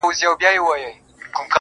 د هجرت غوټه تړمه روانېږم